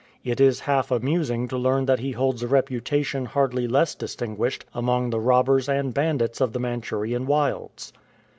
It is half amusing to learn that he holds a reputation hardly less distinguished among the robbers and bandits of the Man churian wilds.